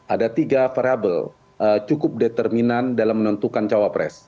ada tiga variable cukup determinan dalam menentukan cawapres